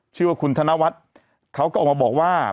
ชื่อว่าคุณธนวัฒน์เขาก็ออกมาบอกว่า